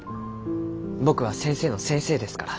僕は先生の先生ですから。